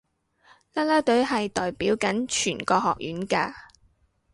啦啦隊係代表緊全個學院㗎